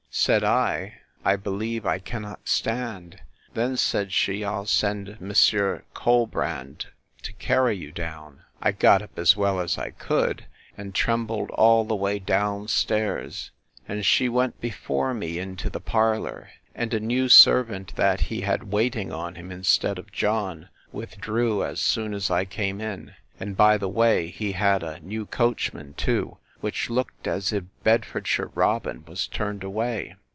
—Said I, I believe I cannot stand. Then, said she, I'll send Mons. Colbrand to carry you down. I got up as well as I could, and trembled all the way down stairs: And she went before me into the parlour; and a new servant that he had waiting on him, instead of John, withdrew as soon as I came in: And, by the way, he had a new coachman too, which looked as if Bedfordshire Robin was turned away.